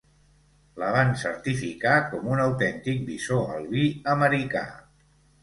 La van certificar com un autèntic bisó albí americà.